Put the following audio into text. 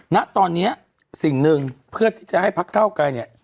ณตอนนี้สิ่งหนึ่งเพื่อที่จะให้พักข้าวไก่